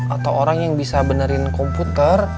atau orang yang bisa benerin komputer